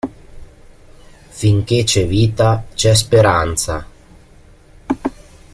Finché c'è vita, c'è speranza.